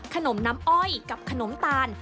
ขนมน้ำอ้อยกับขนมตาล